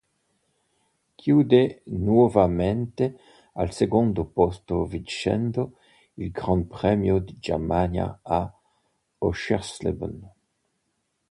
Chiude nuovamente al secondo posto vincendo il Gran Premio di Germania a Oschersleben.